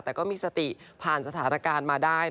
แต่ก็มีสติผ่านสถานการณ์มาได้